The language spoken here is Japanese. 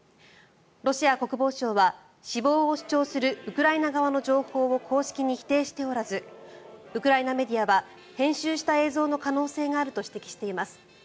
ロシア国防省は死亡を主張するウクライナ側の情報を公式に否定しておらずウクライナメディアは編集した映像の可能性があると指摘しています。